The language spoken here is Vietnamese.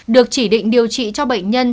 được chỉ định điều trị cho bệnh nhân